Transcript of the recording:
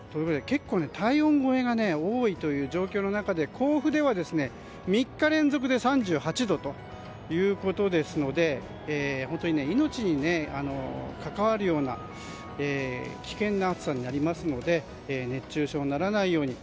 体温超えが多いという状況の中で甲府では３日連続で３８度ということですので本当に命に関わるような危険な暑さになりますので熱中症にならないように。